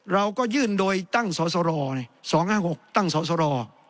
เราก็ยื่นโดยตั้งสรสรสองห้าหกตั้งสรสร